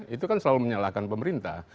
itu kan selalu menyalahkan pemerintah